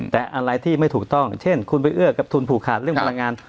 แต่อะไรที่ไม่ถูกต้องเช่นคุณไปเอื้อกับทุนผูกขาดเรื่องพลังงาน